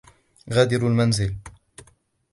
غادروا المنزل!